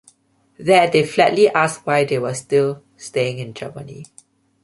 There they flatly asked why they were still staying in Germany.